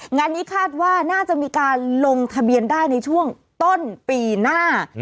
งานนี้คาดว่าน่าจะมีการลงทะเบียนได้ในช่วงต้นปีหน้า